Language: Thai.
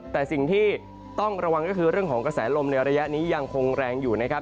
แต่สิ่งที่ต้องระวังก็คือเรื่องของกระแสลมในระยะนี้ยังคงแรงอยู่นะครับ